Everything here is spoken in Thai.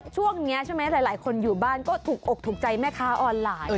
ช่วงนี้ใช่ไหมหลายคนอยู่บ้านก็ถูกอกถูกใจแม่ค้าออนไลน์